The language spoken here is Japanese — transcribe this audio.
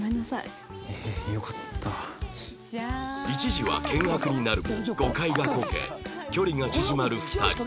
一時は険悪になるも誤解が解け距離が縮まる２人